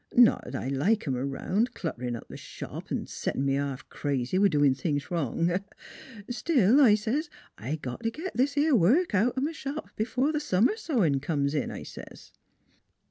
Not 'at I like 'em 'round, clutterin' up th' shop 'n' settin' me ha'f crazy with doin' things wrong. ' Still,' I says, ' I got t' git this 'ere work out m' shop before th' summer sewin' comes in,' I says."